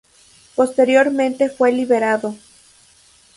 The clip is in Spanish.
Posteriormente fue liberado.